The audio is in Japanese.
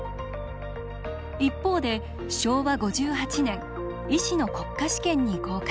一方で昭和５８年医師の国家試験に合格。